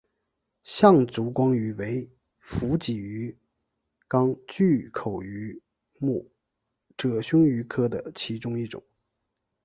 象烛光鱼为辐鳍鱼纲巨口鱼目褶胸鱼科的其中一种。